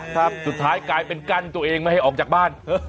สุดท้ายกลายเป็นกั้นตัวเองไม่ให้ออกจากบ้าน